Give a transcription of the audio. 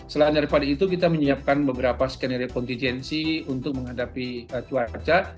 selain daripada itu kita menyiapkan beberapa skenario kontijensi untuk menghadapi cuaca